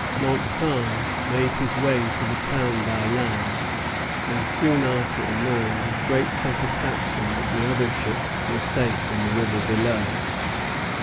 Montcalm made his way to the town by land, and soon after learned with great satisfaction that the other ships were safe in the river below.